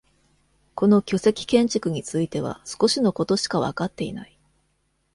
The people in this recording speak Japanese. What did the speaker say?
この巨石建築については、少しのことしかわかっていない。